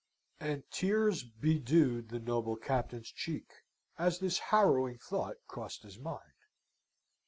And tears bedewed the noble Captain's cheek as this harrowing thought crossed his mind.